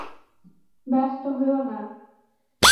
ব্যস্ত হোয়ো না।